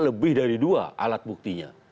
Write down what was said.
lebih dari dua alat buktinya